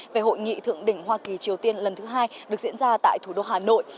về hội nghị thượng đỉnh hoa kỳ triều tiên lần thứ hai được diễn ra tại thủ đô hà nội